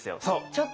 そう！